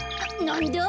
なんだ？